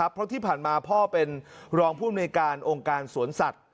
เพราะที่ผ่านมาพ่อเป็นรองภูมิในการองค์การสวนสัตว